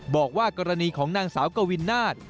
บอกว่ากรณีของนางสาวกวินนาฏ